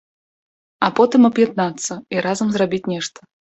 А потым аб'яднацца і разам зрабіць нешта.